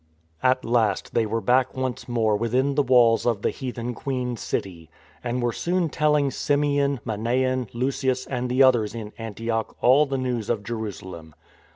At last they were back once more within the walls of " The Heathen Queen " city, and were soon tell ing Simeon, Manaen, Lucius, and the others in Antioch all the news of Jerusalem.